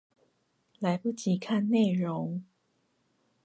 來不及看內容